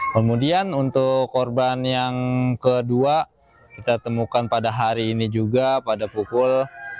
kemudian untuk korban yang kedua kita temukan pada hari ini juga pada pukul